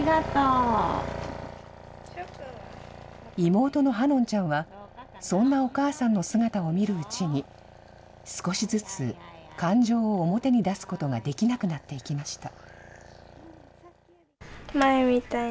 妹の葉音ちゃんはそんなお母さんの姿を見るうちに、少しずつ感情を表に出すことができなくなっていきました。